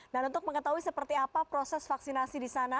dan untuk mengetahui seperti apa proses vaksinasi di sana